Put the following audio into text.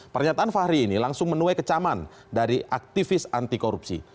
pernyataan fahri ini langsung menuai kecaman dari aktivis anti korupsi